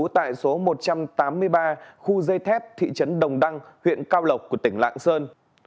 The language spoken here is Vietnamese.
tại số một trăm tám mươi ba khu dây thép thị trấn đồng đăng huyện cao lộc của tỉnh lạng sơn